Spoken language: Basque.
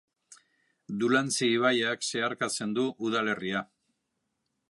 Dulantzi ibaiak zeharkatzen du udalerria.